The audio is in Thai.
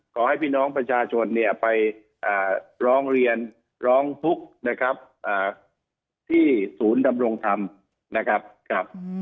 ขอให้พี่น้องประชาชนเนี่ยไปร้องเรียนร้องทุกข์นะครับที่ศูนย์ดำรงธรรมนะครับ